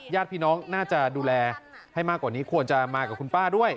ญาติพี่น้องน่าจะดูแลให้มากกว่านี้ควรจะมากับคุณป้าด้วย